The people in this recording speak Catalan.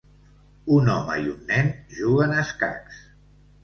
Un home i un nen juguen a escacs.